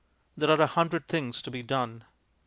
There are a hundred things to be "done."